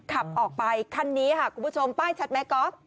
ขับออกไปคันนี้ค่ะคุณผู้ชมป้ายชัดไหมก๊อฟ